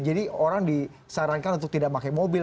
jadi orang disarankan untuk tidak pakai mobil